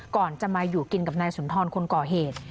ก่อนจะมาอยู่กินกับนายสุนทรคนก่อเหตุ